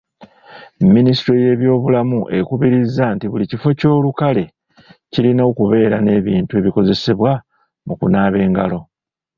Minisitule y'ebyobulamu ekubiriza nti buli kifo ky'olukale kirina okubeera n'ebintu ebikozesebwa mu kunaaba engalo.